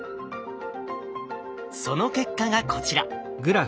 その結果がこちら。